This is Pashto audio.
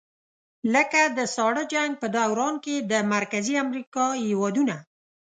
لکه د ساړه جنګ په دوران کې د مرکزي امریکا هېوادونه.